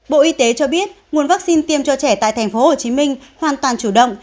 bộ y tế cho biết nguồn vaccine tiêm cho trẻ tại tp hcm hoàn toàn chủ động